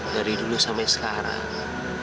dari dulu sampai sekarang